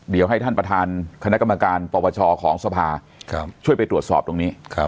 เดี๋ยวให้ท่านประธานคณะกรรมการปปชของสภาช่วยไปตรวจสอบตรงนี้